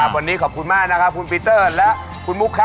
วันนี้ขอบคุณมากคุณปีเตอร์และคุณมุก